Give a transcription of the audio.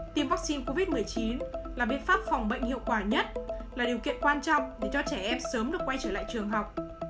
tiêm vaccine covid một mươi chín là biện pháp phòng bệnh hiệu quả nhất là điều kiện quan trọng để cho trẻ em sớm được quay trở lại trường học